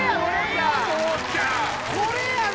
これやで！